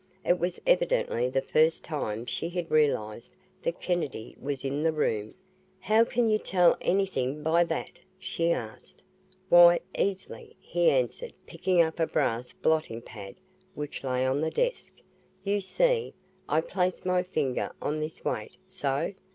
It was evidently the first time she had realized that Kennedy was in the room. "How can you tell anything by that?'" she asked. "Why, easily," he answered picking up a brass blotting pad which lay on the desk. "You see, I place my finger on this weight so.